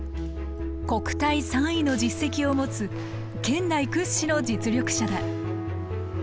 国体３位の実績を持つ県内屈指の実力者だ。